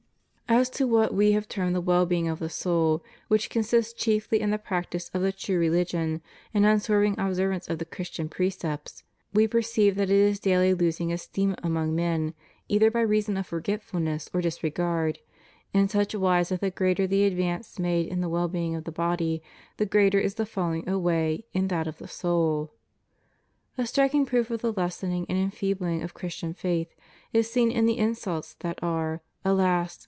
As to what We have termed the well being of the soul, which consists chiefly in the practice of the true religion and unswerving observance of the Christian precepts, We perceive that it is daily losing esteem among men, either by reason of forgetfulness or disregard, in such wise that the greater the advance made in the well being of the body, the greater is the falling away in that of the soul. A striking proof of the lessening and enfeebling of Christian faith is seen in the insults that are, alas!